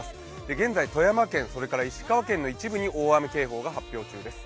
現在、富山県石川県の一部に大雨警報が発表中です。